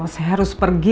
saya harus pergi